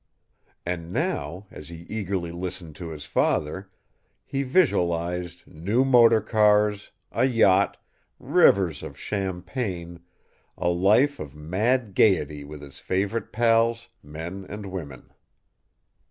And now, as he eagerly listened to his father, he visualized new motor cars, a yacht, rivers of champagne, a life of mad gaiety with his favorite pals, men and women.